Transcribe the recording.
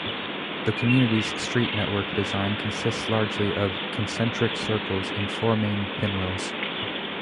The community's street network design consists largely of concentric circles in four main pinwheels.